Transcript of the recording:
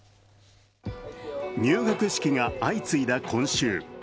入学式が相次いだ今週。